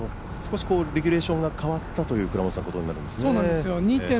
レギュレーションが変わったということになるんですね。